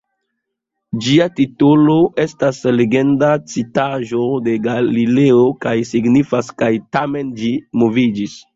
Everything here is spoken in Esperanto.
Ĝia titolo estas legenda citaĵo de Galilejo kaj signifas "kaj tamen ĝi moviĝas".